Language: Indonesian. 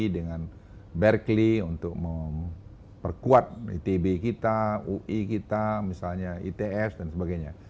dengan berkeley untuk memperkuat itb kita ui kita misalnya itf dan sebagainya